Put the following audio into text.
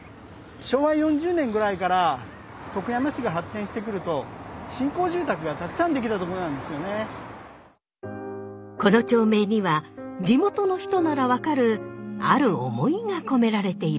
昭和４０年ぐらいから徳山市が発展してくるとこの町名には地元の人なら分かるある思いが込められているそうです。